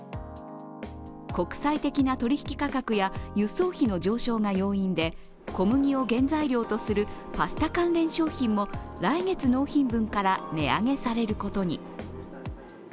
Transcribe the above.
国際的な取引価格や輸送費の上昇が要因で小麦を原材料とするパスタ関連商品も来月納品分から値上げされることに。